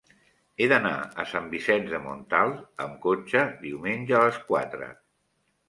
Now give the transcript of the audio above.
He d'anar a Sant Vicenç de Montalt amb cotxe diumenge a les quatre.